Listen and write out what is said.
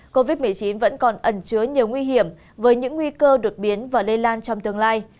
covid một mươi chín vẫn còn ẩn chứa nhiều nguy hiểm với những nguy cơ đột biến và lây lan trong tương lai